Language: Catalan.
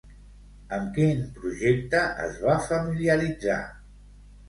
Amb quin projecte es va familiaritzar?